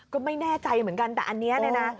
ก็ไม่แน่ใจเหมือนกันแต่อันนี้เนี่ยนะ